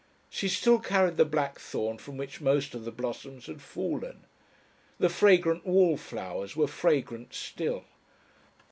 She still carried the blackthorn from which most of the blossoms had fallen. The fragrant wallflowers were fragrant still.